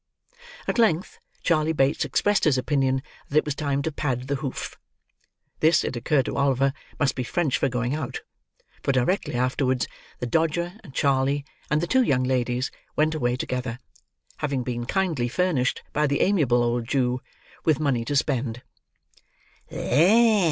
At length, Charley Bates expressed his opinion that it was time to pad the hoof. This, it occurred to Oliver, must be French for going out; for directly afterwards, the Dodger, and Charley, and the two young ladies, went away together, having been kindly furnished by the amiable old Jew with money to spend.